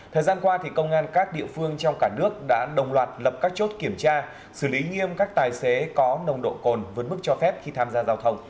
thời gian qua công an các địa phương trong cả nước đã đồng loạt lập các chốt kiểm tra xử lý nghiêm các tài xế có nồng độ cồn vượt mức cho phép khi tham gia giao thông